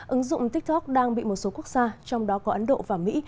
ứng dụng tiktok đang bị một số quốc gia trong đó có ấn độ và mỹ